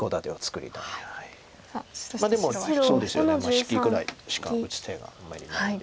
引きぐらいしか打つ手があんまりないんで。